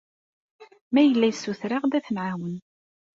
Ma yella yessuter-aɣ-d, ad t-nɛawen.